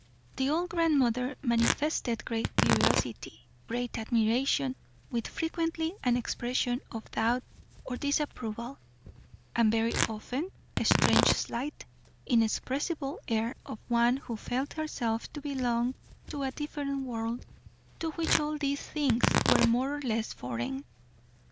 The old grandmother manifested great curiosity, great admiration, with frequently an expression of doubt or disapproval; and very often a strange, slight, inexpressible air of one who felt herself to belong to a different world, to which all these things were more or less foreign.